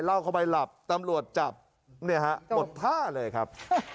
เข้าไปหลับตำรวจจับเนี่ยฮะหมดท่าเลยครับ